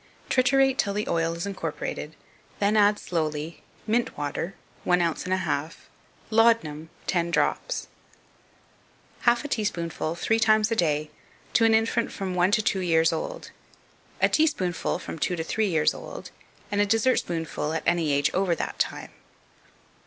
Triturate till the oil is incorporated, then add slowly Mint water One ounce and a half Laudanum Ten drops Half a teaspoonful three times a day, to an infant from one to two years old; a teaspoonful from two to three years old; and a dessertspoonful at any age over that time.